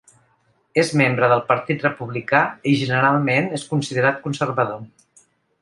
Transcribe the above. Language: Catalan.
És membre del Partit Republicà, i generalment és considerat conservador.